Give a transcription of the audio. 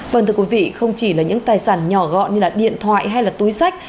vâng thưa quý vị không chỉ là những tài sản nhỏ gọn như điện thoại hay túi sách